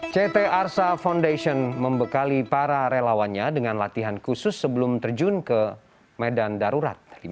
ct arsa foundation membekali para relawannya dengan latihan khusus sebelum terjun ke medan darurat